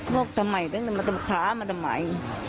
พวกทำไมตึงขามาทำไม